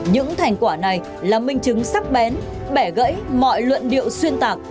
những thành quả này là minh chứng sắc bén bẻ gãy mọi luận điệu xuyên tạc